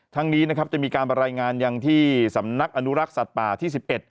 นี้นะครับจะมีการบรรยายงานยังที่สำนักอนุรักษ์สัตว์ป่าที่๑๑